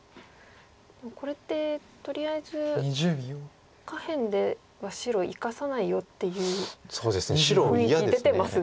でもこれってとりあえず下辺では白生かさないよっていう雰囲気出てますね。